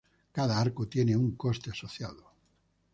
Cada arco tiene un coste asociado.